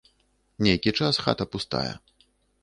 Нейкі час хата пустая.